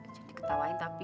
jadi ketawain tapi